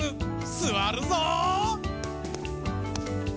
すわるぞう！